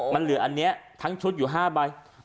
มันเหลืออันนี้ทั้งชุดอยู่๕ใบ